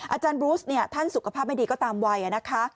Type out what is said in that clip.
อาจารย์บรูสเนี่ยท่านสุขภาพไม่ดีก็ตามวัยนะคะ